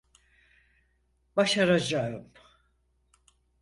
Başaracağım.